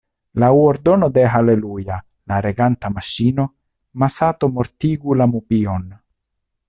Laŭ ordono de Haleluja, la reganta maŝino, Masato mortigu la mupion.